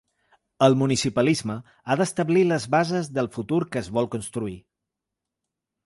El municipalisme ha d’establir les bases del futur que es vol construir.